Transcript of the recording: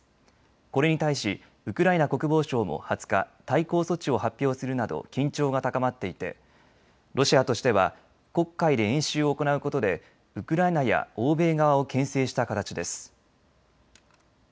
これに対しウクライナ国防省も２０日、対抗措置を発表するなど緊張が高まっていてロシアとしては黒海で演習を行うことでウクライナや欧米側をけん制した形です。